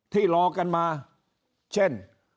ที่รอกันมาเช่น